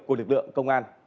của lực lượng công an